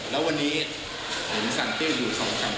แล้ววันนี้เห็นสังติ้วอยู่๒๓ครั้ง